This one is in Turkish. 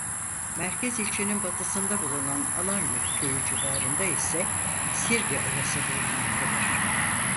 Merkez ilçenin batısında bulunan Alanyurt köyü civarında ise Sirge Ovası bulunmaktadır.